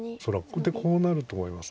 こうなると思います。